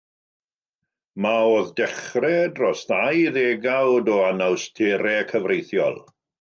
Dyma oedd dechrau dros ddau ddegawd o anawsterau cyfreithiol.